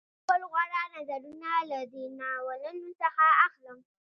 زه خپل غوره نظرونه له دې ناولونو څخه اخلم